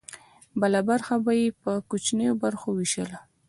بله برخه به یې په کوچنیو برخو ویشله.